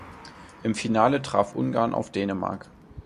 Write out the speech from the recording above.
Im Finale traf Ungarn auf Dänemark.